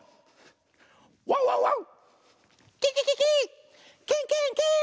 ワンワンワン！